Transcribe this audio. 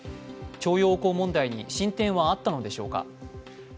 徴用工問題に進展はあったのでしょうか。